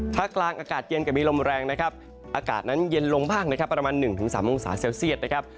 ภาคกลางอากาศเย็นกับมีลมแรงนะครับอากาศนั้นเย็นลงบ้างนะครับประมาณ๑๓องศาเซลเซียตนะครับ